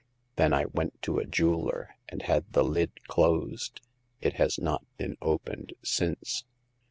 Then I went to a jeweler, and had the lid closed. It has not been opened since."